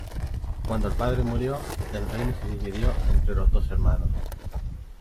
Cuando el padre murió, el reino se dividió entre los dos hermanos.